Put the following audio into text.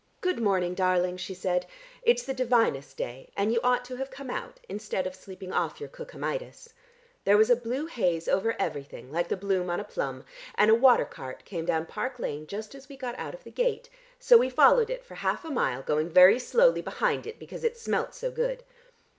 "Good morning, darling," she said. "It's the divinest day, and you ought to have come out instead of sleeping off your Cookhamitis. There was a blue haze over everything like the bloom on a plum, and a water cart came down Park Lane just as we got out of the gate, so we followed it for half a mile going very slowly behind it, because it smelt so good.